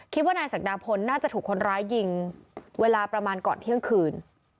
คิดว่านายศักดาพลน่าจะถูกคนร้ายยิงเวลาประมาณก่อนเที่ยงคืน